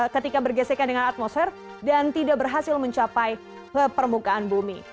ketika bergesekan dengan atmosfer dan tidak berhasil mencapai ke permukaan bumi